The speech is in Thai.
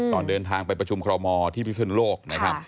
ตอนเดินทางไปประชุมครอบหมอที่พฤษณุโลก